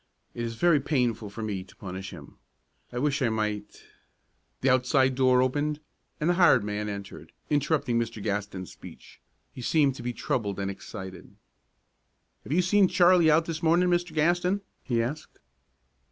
It is very painful for me to punish him. I wish I might " The outside door opened, and the hired man entered, interrupting Mr. Gaston's speech. He seemed to be troubled and excited. "Have you had Charlie out this morning, Mr. Gaston?" he asked.